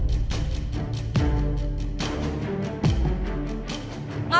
aku kangen sama kamu